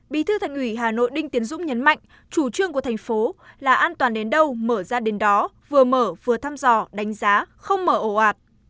bí thư thành ủy hà nội đinh tiến dũng nhấn mạnh chủ trương của thành phố là an toàn đến đâu mở ra đến đó vừa mở vừa thăm dò đánh giá không mở ổ ạt